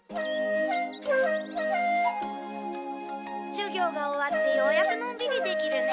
じゅ業が終わってようやくのんびりできるね。